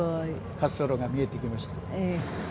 滑走路が見えてきました。